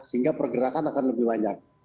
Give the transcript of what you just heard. sehingga pergerakan akan lebih banyak